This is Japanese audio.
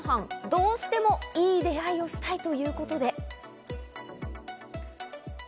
どうしてもいい出会いをしたいということで。